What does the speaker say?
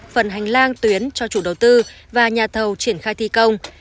phần hành lang tuyến cho chủ đầu tư và nhà thầu triển khai thi công